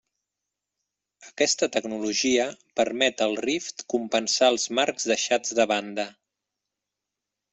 Aquesta tecnologia permet al Rift compensar els marcs deixats de banda.